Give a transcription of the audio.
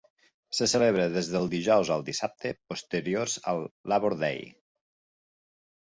Se celebra des del dijous al dissabte posteriors al Labor day.